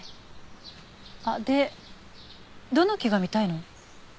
でどの木が見たいの？